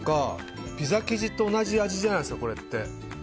ピザ生地と同じ味じゃないですか、これって。